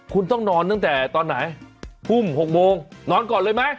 คุณต้องนอนตั้งแต่ตอนไหนทุ่ม๖โมงนอนก่อนเลยไหม